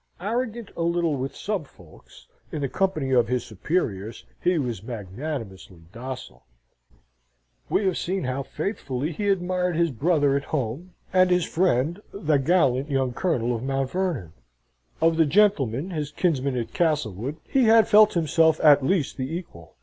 Arrogant a little with some folks, in the company of his superiors he was magnanimously docile. We have seen how faithfully he admired his brother at home, and his friend, the gallant young Colonel of Mount Vernon: of the gentlemen, his kinsmen at Castlewood, he had felt himself at least the equal.